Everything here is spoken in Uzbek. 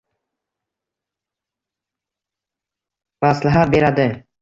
maslahatlar beradi